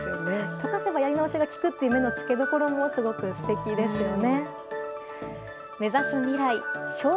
溶かせばやり直しがきくという目の付け所もすごく素敵ですよね。